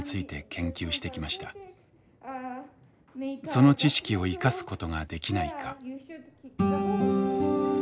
その知識を生かすことができないか。